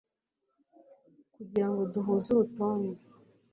kugira ngo duhuze urutonde